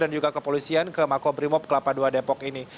dan juga kepolisian ke makobrimob kelapa ii depok ini